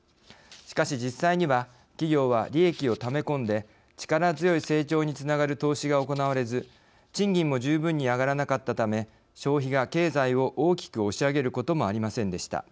しかし実際には企業は利益をため込んで力強い成長につながる投資が行われず賃金も十分に上がらなかったため消費が経済を大きく押し上げることもありませんでした。